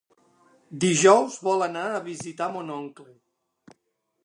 Dijous vol anar a visitar mon oncle.